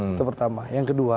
itu pertama yang kedua